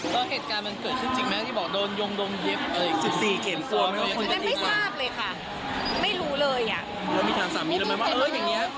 ก็เหตุการณ์มันเกิดขึ้นจริงแม้ที่บอกโดนโยงโดมเย็บ๑๔เก่งกลัว